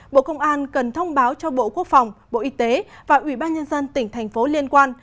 bộ công an cần thông báo cho bộ quốc phòng bộ y tế và ủy ban nhân dân tỉnh thành phố liên quan